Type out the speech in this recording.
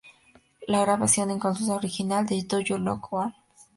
La grabación inconclusa original de "Do You Like Worms?